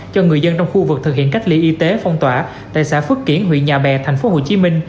cho người dân trong khu vực thực hiện cách ly y tế phong tỏa tại xã phước kiển huyện nhà bè tp hcm